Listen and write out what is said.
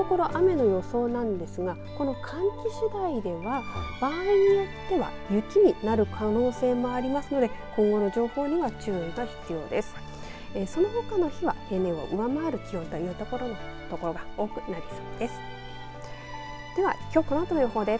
そして今のところ雨の予想なんですがこの寒気次第では場合によっては雪になる可能性もありますので今後の情報には注意が必要です。